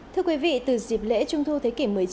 thưa quý vị từ dịp lễ trung thu thế kỷ một mươi chín